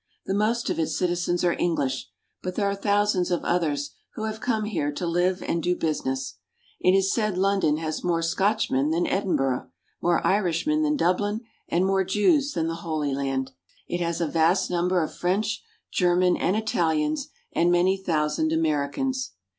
The most of its citizens are English, but there are thousands of others who have come here to live and do business. It is said London has more Scotch men than Edinburgh, more Irishmen than Dublin, and more Jews than the Holy Land. It has a vast number of French, Germans, and Italians, and many thousand Americans.